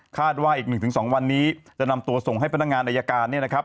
ว่าอีก๑๒วันนี้จะนำตัวส่งให้พนักงานอายการเนี่ยนะครับ